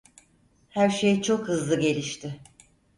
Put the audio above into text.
Her şey çok hızlı gelişti.